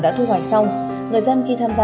đã thu hoạch xong người dân khi tham gia